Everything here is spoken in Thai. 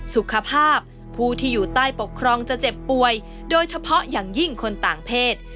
สุขภาพผู้ที่อยู่ใต้ปกครองจะเจ็บป่วยโดยเฉพาะอย่างยิ่งคนต่างเพศ